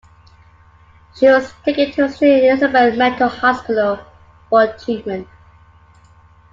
She was taken to Saint Elizabeths Mental Hospital for treatment.